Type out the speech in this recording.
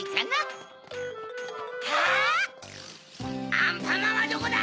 アンパンマンはどこだ！